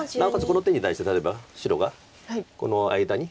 この手に対して例えば白がこの間に。